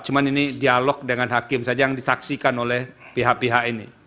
cuma ini dialog dengan hakim saja yang disaksikan oleh pihak pihak ini